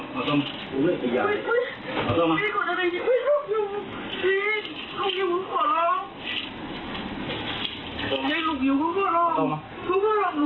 ผมต้องล่ออีกเดือดอีกว่าตัวเอง